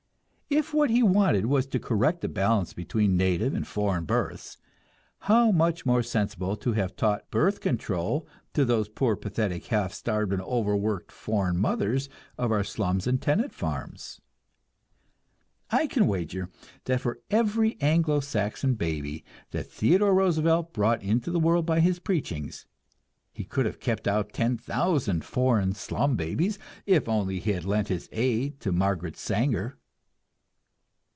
If what he wanted was to correct the balance between native and foreign births, how much more sensible to have taught birth control to those poor, pathetic, half starved and overworked foreign mothers of our slums and tenant farms! I can wager that for every Anglo Saxon baby that Theodore Roosevelt brought into the world by his preachings, he could have kept out ten thousand foreign slum babies, if only he had lent his aid to Margaret Sanger!